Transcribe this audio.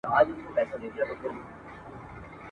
زه حاصل غواړم له مځکو د باغلیو !.